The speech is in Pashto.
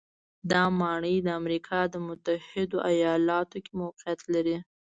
دا ماڼۍ د امریکا د متحدو ایالتونو کې موقعیت لري.